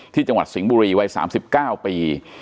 จังหวัดสิงห์บุรีวัย๓๙ปี